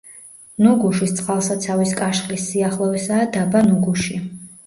ნუგუშის წყალსაცავის კაშხლის სიახლოვესაა დაბა ნუგუში.